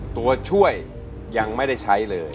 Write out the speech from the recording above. ตัวช่วยยังไม่ได้ใช้เลย